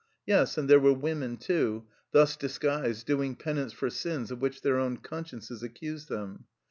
Yes, and there were women too, thus disguised, doing penance for sins of which their own consciences accused them.